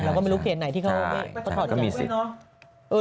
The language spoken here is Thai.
เราก็ไม่รู้เขตไหนที่เขาไม่ตอดใจใช่ก็มีสิทธิ์